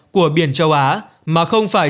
của biển châu á mà không phải